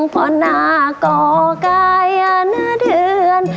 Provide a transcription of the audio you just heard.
พอหน้าก็กายหน้าเดือน